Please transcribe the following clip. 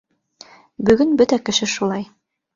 Бөгөн бөтә кеше шулай.